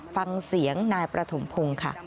ฟังเสียงนายประถมพงศ์ค่ะ